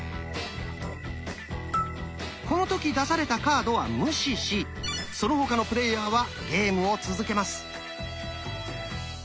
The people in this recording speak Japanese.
この時出されたカードは無視しその他のプレイヤーはゲームを続けます。